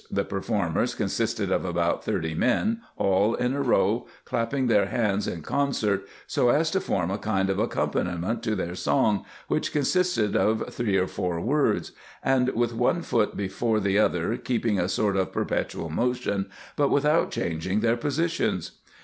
The performers consisted of about thirty men, all in a row, clapping their hands in concert, so as to form a kind of accompaniment to their song, which consisted of three or four words ; and with one foot before the other keeping a sort of perpetual motion, but without changing their positions.